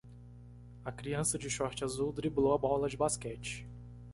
A criança de short azul driblou a bola de basquete.